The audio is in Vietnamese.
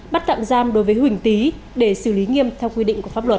bắt tạm giam đối với huỳnh tý để xử lý nghiêm theo quy định của pháp luật